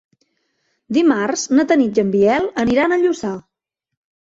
Dimarts na Tanit i en Biel aniran a Lluçà.